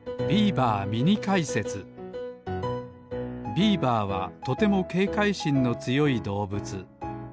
ビーバーはとてもけいかいしんのつよいどうぶつ。